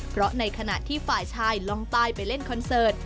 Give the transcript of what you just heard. เพราะในขณะที่ฝ่ายชายล่องใต้ไปเล่นคอนเสิร์ต